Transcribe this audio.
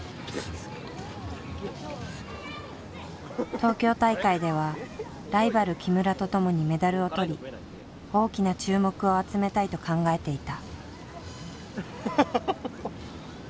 東京大会ではライバル木村とともにメダルをとり大きな注目を集めたいと考えていた。